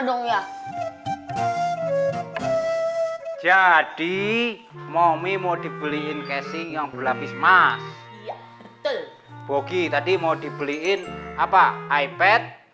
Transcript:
dong ya jadi momi mau dibeliin casing yang berlapis mas ya bogi tadi mau dibeliin apa ipad